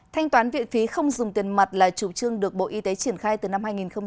thanh toán viện phí không dùng tiền mặt là chủ trương được bộ y tế triển khai từ năm hai nghìn một mươi năm